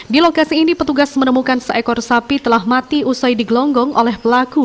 di lokasi ini petugas menemukan seekor sapi telah mati usai digelonggong oleh pelaku